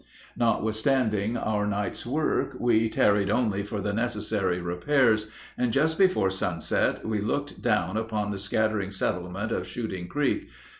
Notwithstanding our night's work, we tarried only for the necessary repairs, and just before sunset we looked down upon the scattering settlement of Shooting Creek.